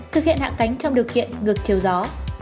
thực hiện hạ cánh trong điều kiện ngược chiều gió